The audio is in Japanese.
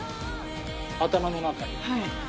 頭の中に。